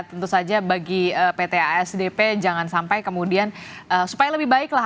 tentu saja bagi pt asdp jangan sampai kemudian supaya lebih baik lah